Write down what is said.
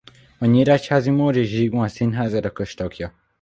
A nyíregyházi Móricz Zsigmond Színház örökös tagja.